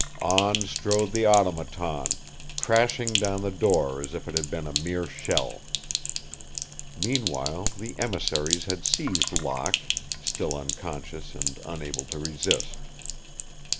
On strode the Automaton, crashing down the door as if it had been a mere shell. Meanwhile the emissaries had seized Locke, still unconscious and unable to resist.